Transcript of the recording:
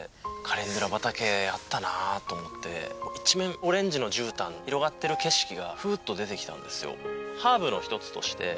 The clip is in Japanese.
一面オレンジの絨毯広がってる景色がフッと出てきたんですよ。